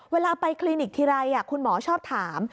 เวลาไปคลินิกทีไรคุณหมอชอบถาม